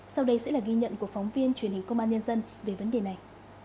sau đây sẽ là ghi nhận của phóng viên truyền hình công an nhân dân về vấn đề này